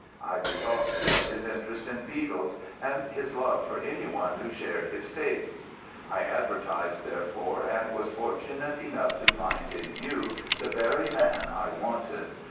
I bethought me of his interest in beetles, and his love for any one who shared his tastes. I advertised, therefore, and was fortunate enough to find in you the very man I wanted.